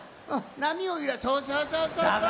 なみをゆらすそうそうそうそうそう！